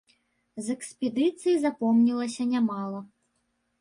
З экспедыцый запомнілася нямала.